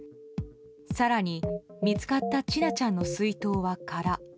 更に、見つかった千奈ちゃんの水筒は空。